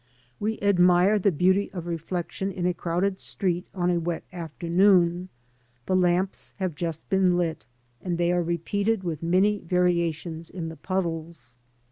'* We admire the beauty of reflection in a crowded street on a wet afternoon. The lamps have just been lit, and they are repeated with many variations in the puddles.